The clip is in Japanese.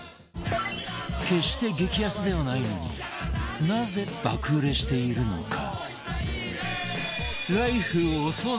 決して激安ではないのになぜ爆売れしているのか？